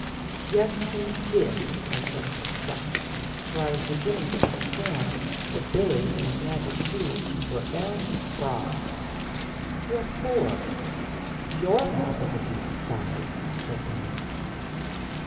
"Yes, he did," I said in disgust for I was beginning to understand that Billy and his magic seed were arrant frauds. "What for? YOUR mouth is a decent size," said Dan.